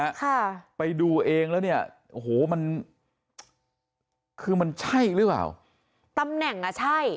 ค่ะไปดูเองแล้วเนี่ยโอ้โหมันคือมันใช่หรือเปล่าตำแหน่งอ่ะใช่